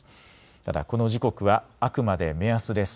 ただこの時刻はあくまで目安です。